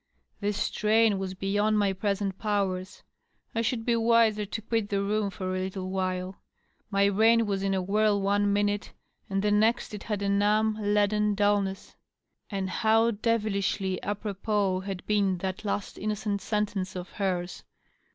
This strain was beyond my present powers ; I should be wiser to quit the room for a little while. My brain was in a whirl one minute, and the next it had a numb, leaden dulness. And how devilishly d propos had been that last innocent sentence of hers